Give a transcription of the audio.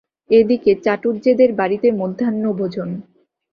এ দিকে চাটুজ্যেদের বাড়িতে মধ্যাহ্নভোজন।